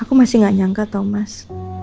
aku masih gak nyangka thomas